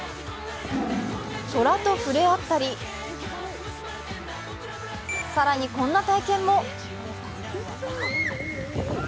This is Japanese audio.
虎と触れ合ったり更にこんな体験も。